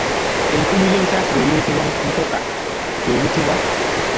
Entuumu y'ebisassiro ebireetebwa mukoka eyitibwa?